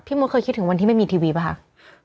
มดเคยคิดถึงวันที่ไม่มีทีวีป่ะคะ